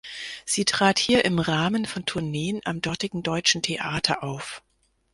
Sie trat hier im Rahmen von Tourneen am dortigen Deutschen Theater auf.